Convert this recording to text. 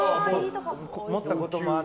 持ったこともある。